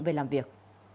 về làm việc